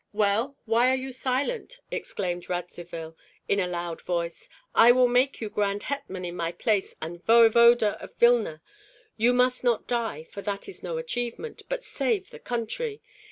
"Well, why are you silent?" exclaimed Radzivill, in a loud voice. "I will make you grand hetman in my place and voevoda of Vilna. You must not die, for that is no achievement, but save the country.